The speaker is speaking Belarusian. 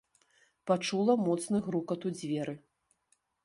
Пачула моцны грукат у дзверы.